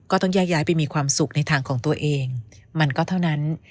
ก็ต้องแยกย้ายไปมีความสุขในทางของตัวเองมันก็เท่านั้น